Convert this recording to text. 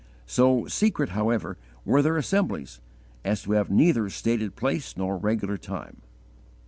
So secret, however, were their assemblies, as to have neither stated place nor regular time.